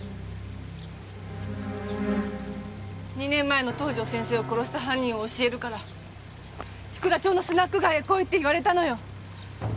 ２年前の東条先生を殺した犯人を教えるから志蔵町のスナック街へ来いって言われたのよ。